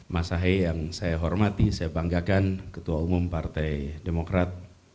mas ahai yang saya hormati saya banggakan ketua umum partai demokrat